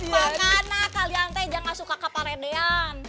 makanya kalian jangan suka kakak paredian